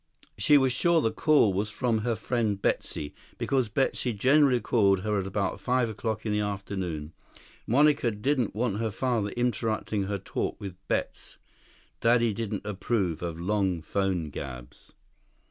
She was sure the call was from her friend Betsy, because Betsy generally called her about five o'clock in the afternoon. Monica didn't want her father interrupting her talk with Betts. Daddy didn't approve of long phone gabs.